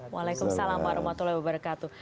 waalaikumsalam warahmatullahi wabarakatuh